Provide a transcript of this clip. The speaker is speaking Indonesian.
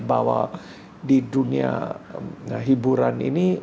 bahwa di dunia hiburan ini